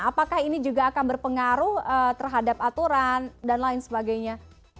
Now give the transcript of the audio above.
apakah ini juga akan berpengaruh terhadap aturan dan lain sebagainya